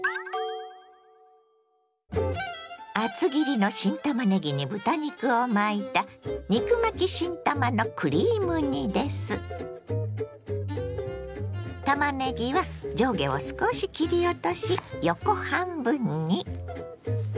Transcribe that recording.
厚切りの新たまねぎに豚肉を巻いたたまねぎは上下を少し切り落とし横半分に。